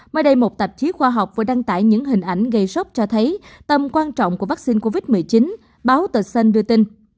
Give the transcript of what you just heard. mới đây một tạp chí khoa học vừa đăng tải những hình ảnh gây sốc cho thấy tầm quan trọng của vaccine covid một mươi chín báo tờ sân đưa tin